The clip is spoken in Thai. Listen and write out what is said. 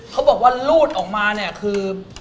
เขาบอกว่ารูดออกมาเนี่ยคือ